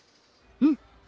うん！